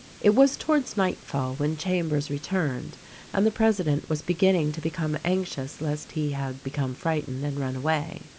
It was towards nightfall when Chambers returned, and the president was beginning to become anxious lest he had become frightened and run away.